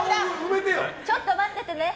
ちょっと待っててね。